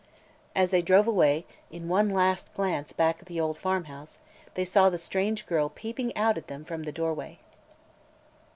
As they drove away, in one last glance back at the old farm house, they saw the strange girl peeping out at them from the doorway.